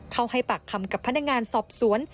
ให้ปากคำกับพนักงานสอบสวน